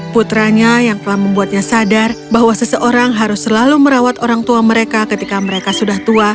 putranya yang telah membuatnya sadar bahwa seseorang harus selalu merawat orang tua mereka ketika mereka sudah tua